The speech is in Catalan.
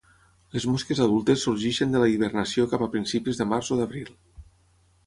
Les mosques adultes sorgeixen de la hibernació cap a principis de març o d'abril.